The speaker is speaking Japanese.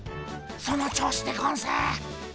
その調子でゴンス！